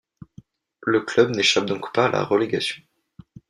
Le club n'échappe donc pas à la relégation.